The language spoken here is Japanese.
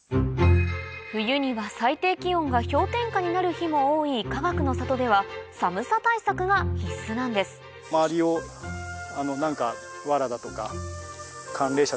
冬には最低気温が氷点下になる日も多いかがくの里では寒さ対策が必須なんです少しでも。